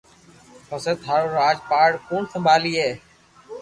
پسو ٿارو راج پاٺ ڪوڻ سمڀالئي